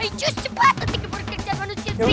ayo cepetan kita berkejar manusia serigala